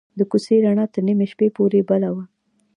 د کوڅې رڼا تر نیمې شپې پورې بل وه.